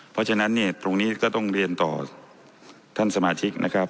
เพราะฉะนั้นเนี่ยตรงนี้ก็ต้องเรียนต่อท่านสมาชิกนะครับ